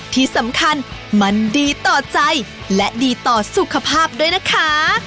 ที่สำคัญมันดีต่อใจและดีต่อสุขภาพด้วยนะคะ